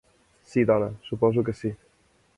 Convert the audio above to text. Sí dona, suposo que sí.